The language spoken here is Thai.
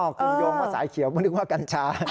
คุณโยงว่าสายเขียวก็นึกว่ากัญชา